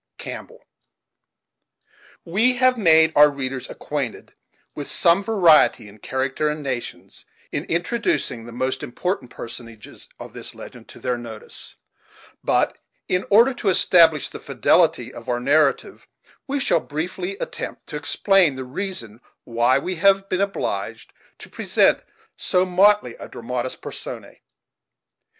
Campbell. We have made our readers acquainted with some variety in character and nations, in introducing the most important personages of this legend to their notice; but, in order to establish the fidelity of our narrative, we shall briefly attempt to explain the reason why we have been obliged to present so motley a dramatis personae.